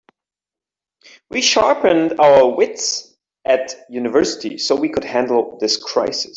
We sharpened our wits at university so we could handle this crisis.